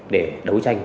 để đấu tranh